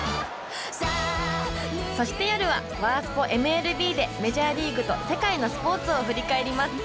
そして夜は「ワースポ×ＭＬＢ」でメジャーリーグと世界のスポーツを振り返ります！